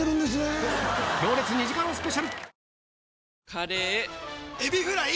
カレーエビフライ！